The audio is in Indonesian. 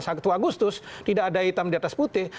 satu agustus tidak ada hitam diatas putih